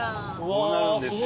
こうなるんですよ。